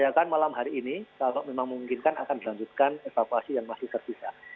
kondisi yang masih dalam hari ini kalau memang memungkinkan akan dilanjutkan evakuasi yang masih terpisah